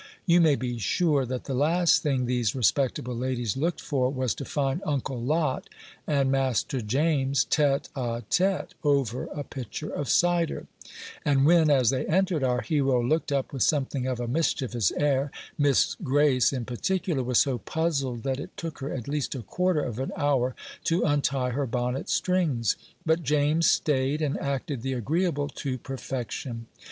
You may be sure that the last thing these respectable ladies looked for was to find Uncle Lot and Master James tête à tête, over a pitcher of cider; and when, as they entered, our hero looked up with something of a mischievous air, Miss Grace, in particular, was so puzzled that it took her at least a quarter of an hour to untie her bonnet strings. But James staid, and acted the agreeable to perfection.